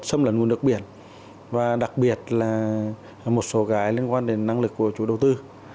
xâm lấn nguồn nước biển và đặc biệt là một số cái liên quan đến năng lực của chủ đầu tư